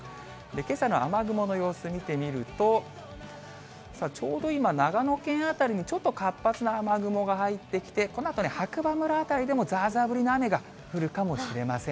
けさの雨雲の様子見てみると、さあ、ちょうど今、長野県辺りにちょっと活発な雨雲が入ってきて、このあとね、白馬村辺りでもざーざー降りの雨が降るかもしれません。